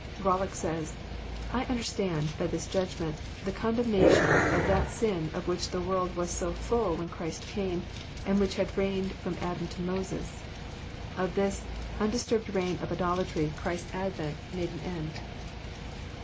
Bollock fays :*< I understand, by this judgment, the condem nation of that sin of which the world was so full when Christ came, and which had reigned IVom Adam to Moses." Of this undisturbed reign of idolatry Christ's advent made an end.